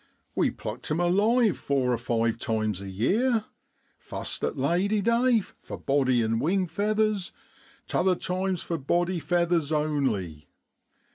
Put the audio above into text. We plucked 'em alive four or five times a year, fust at Lady day, for body an' wing feathers, t'other times for body feathers only.